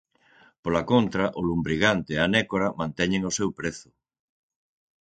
Pola contra, o lumbrigante e a nécora manteñen o seu prezo.